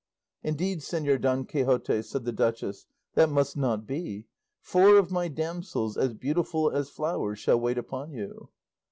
"Indeed, Señor Don Quixote," said the duchess, "that must not be; four of my damsels, as beautiful as flowers, shall wait upon you."